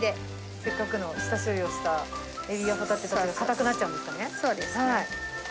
せっかくの下処理をしたエビやホタテが硬くなっちゃうんですそうですね。